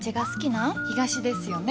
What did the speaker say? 東ですよね？